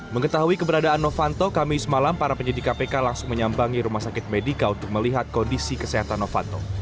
mengetahui keberadaan novanto kamis malam para penyidik kpk langsung menyambangi rumah sakit medika untuk melihat kondisi kesehatan novanto